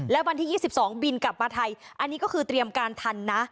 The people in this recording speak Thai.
และวันที่๒๒บินกลับมาไทยอันนี้ก็คือเตรียมการทันนะ